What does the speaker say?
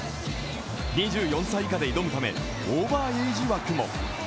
２４歳以下で挑むためオーバーエイジ枠も。